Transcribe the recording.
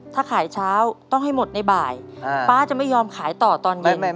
ถ้าขายเช้าต้องให้หมดในบ่ายป๊าจะไม่ยอมขายต่อตอนเย็น